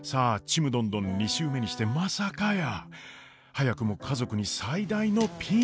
「ちむどんどん」２週目にしてまさかやー早くも家族に最大のピンチ！